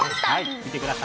見てください。